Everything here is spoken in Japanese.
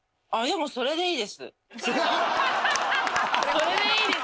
それでいいです